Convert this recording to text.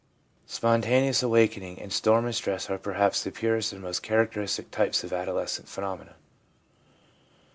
Spontaneous awakening and storm and stress are perhaps the purest and most characteristic types of adolescent phenomena.